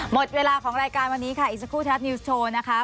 หมดเวลาของรายการวันนี้ค่ะอีกสักครู่ไทยรัฐนิวส์โชว์นะคะ